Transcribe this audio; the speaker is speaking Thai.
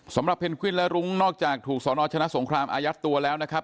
สำหรับเพ็ญกวิ้นและรุ้งนอกจากถูกสอนอดชนะสงครามอายัดตัวแล้วนะครับ